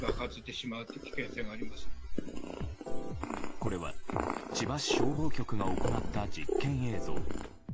これは千葉市消防局が行った実験映像。